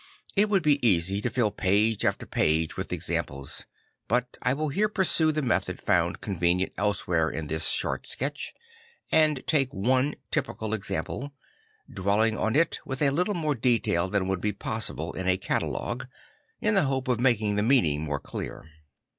It \vould be easy to fill page after page with examples; but I will here pursue the method found convenient everywhere in this short sketch, and 'I he Little Poor Man 10 3 take one typical example, dwelling on it with a little more detail than would be possible in a catalogue, in the hope of making the meaning more clear.